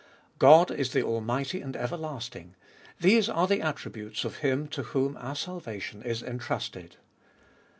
God is the Almighty and everlasting : these are the attributes of Him to whom our salvation is entrusted.